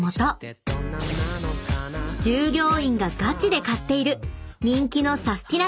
［従業員がガチで買っている人気のサスティな！